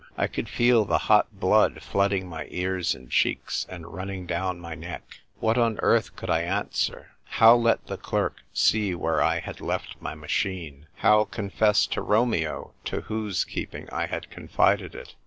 I could feel the hot blood flooding my ears and cheeks, and running dovv^n my neck. What on earth could I answer ? How let the clerk see where I had left my machine ? How confess to Romeo to whose keeping I had confided it